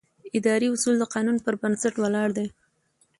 اداري اصول د قانون پر بنسټ ولاړ دي.